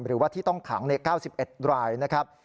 หรือว่าที่ต้องขังใน๙๑รายนะครับ